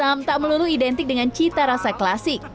sam tak melulu identik dengan cita rasa klasik